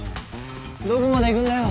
どこまで行くんだよ。